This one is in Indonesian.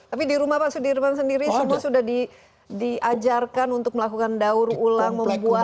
tapi di rumah pak sulirman sendiri semua sudah diajarkan untuk melakukan daur ulang membuat sampah dengan baik